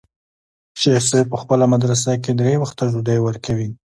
شيخ صاحب په خپله مدرسه کښې درې وخته ډوډۍ وركوي.